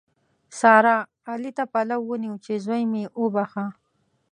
سارا؛ علي ته پلو ونیو چې زوی مې وبښه.